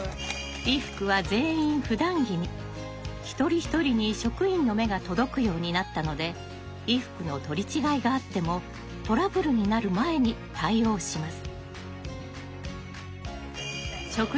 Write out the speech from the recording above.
一人一人に職員の目が届くようになったので衣服の取り違いがあってもトラブルになる前に対応します。